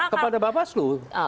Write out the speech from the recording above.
kepada bapak selu